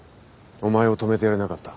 お前を止めてやれなかった。